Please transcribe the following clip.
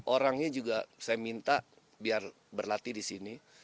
orangnya juga saya minta biar berlatih di sini